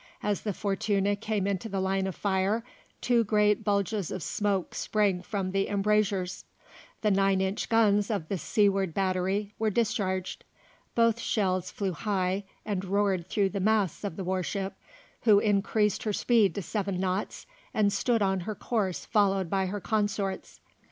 As the Fortuna came into the line of fire, two great bulges of smoke sprang from the embrasures; the nine inch guns of the seaward battery were discharged. Both shells flew high and roared through the masts of the warship, who increased her speed to seven knots and stood on her course followed by her consorts.